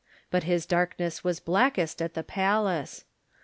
But his darkness was blackest at the palace.